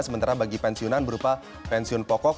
sementara bagi pensiunan berupa pensiun pokok